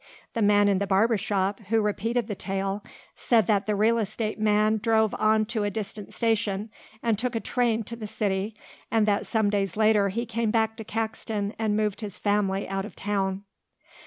The man in the barber shop, who repeated the tale, said that the real estate man drove on to a distant station and took a train to the city, and that some days later he came back to Caxton and moved his family out of town.